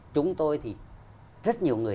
chúng tôi thì rất nhiều người